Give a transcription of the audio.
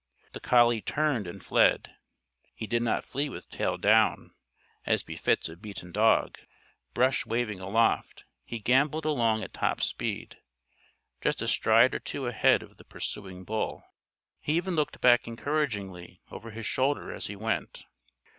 The collie turned and fled. He did not flee with tail down, as befits a beaten dog. Brush wavingly aloft, he gamboled along at top speed, just a stride or two ahead of the pursuing bull. He even looked back encouragingly over his shoulder as he went.